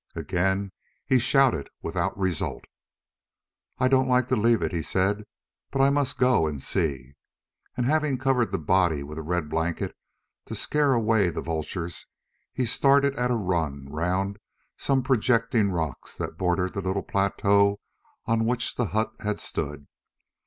Again he shouted without result. "I don't like to leave it," he said, "but I must go and see;" and, having covered the body with a red blanket to scare away the vultures, he started at a run round some projecting rocks that bordered the little plateau on which the hut had stood.